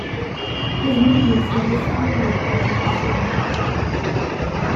His movements in this period are not certain.